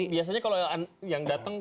biasanya kalau yang datang